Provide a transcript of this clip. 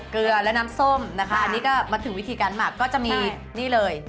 เกลือและน้ำส้มนะคะอันนี้ก็มาถึงวิธีการหมักก็จะมีนี่เลย